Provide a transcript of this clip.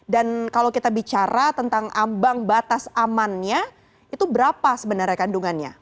dan kalau kita bicara tentang ambang batas amannya itu berapa sebenarnya kandungannya